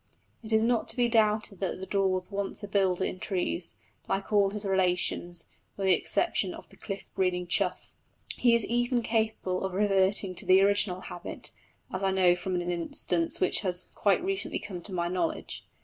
It is not to be doubted that the daw was once a builder in trees, like all his relations, with the exception of the cliff breeding chough. He is even capable of reverting to the original habit, as I know from an instance which has quite recently come to my knowledge.